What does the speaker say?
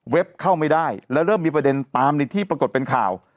เข้าไม่ได้แล้วเริ่มมีประเด็นตามในที่ปรากฏเป็นข่าว